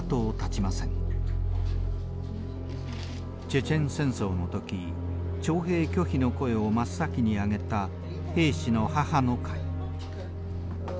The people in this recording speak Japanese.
チェチェン戦争の時徴兵拒否の声を真っ先に上げた兵士の母の会。